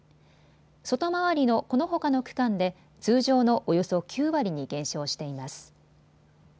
外回りのこのほかの区間で通常のおよそ９割に減少しています。